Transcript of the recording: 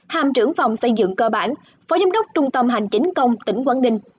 hàm trưởng phòng xây dựng cơ bản phó giám đốc trung tâm hành chính công tỉnh quảng ninh